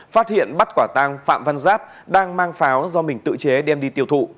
phát hiện bắt quả tăng phạm văn giáp đang mang pháo do mình tự chế đem đi tiêu thụ